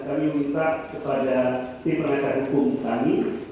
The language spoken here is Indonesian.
kami minta kepada tim penasihat hukum kami